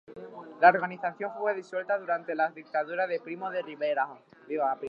La organización fue disuelto durante la Dictadura de Primo de Rivera.